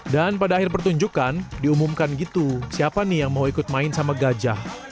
dan pada akhir pertunjukan diumumkan gitu siapa nih yang mau ikut main sama gajah